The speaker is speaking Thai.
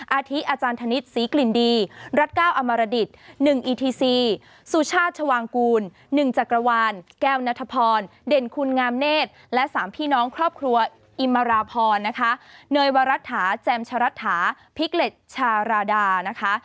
อาทิอาจารย์ธนิษฐ์ศรีกลิ่นดีรัฐเก้าอมรดิต๑อีทีซีสุชาติชวางกูล๑จักรวาลแก้วนัทพรเด่นคุณงามเนธและ๓พี่น้องครอบครัวอิมราพรนะคะเนยวรัฐาแจมชะรัฐาพิกเล็ตชาราดานะคะ